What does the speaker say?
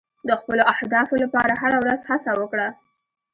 د خپلو اهدافو لپاره هره ورځ هڅه وکړه.